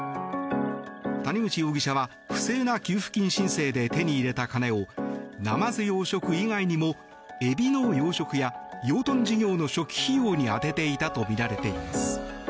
谷口容疑者は、不正な給付金申請で手に入れた金をナマズ養殖以外にもエビの養殖や養豚事業の初期費用に充てていたとみられています。